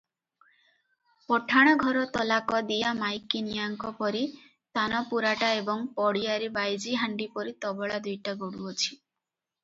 ପଠାଣ ଘର ତଲାକଦିଆ ମାଇକିନିଆଙ୍କ ପରି ତାନପୁରାଟା ଏବଂ ପଡ଼ିଆରେ ବାଇଜିହାଣ୍ତି ପରି ତବଲା ଦୁଇଟା ଗଡୁଅଛି ।